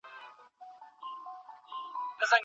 سياست په دولت کې تر هر څه مهم دی.